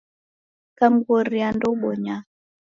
Kamghoria ndeubonya.